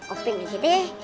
kok pingin gitu ya